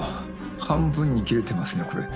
半分に切れてますねこれ。